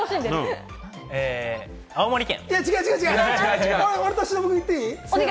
え、青森県！